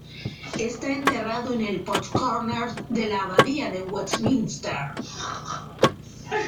Está enterrado en el Poets' Corner de la abadía de Westminster.